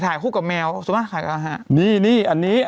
ถ่ายคู่กับแมวสักข่ายก็หาอันนี้อันนี้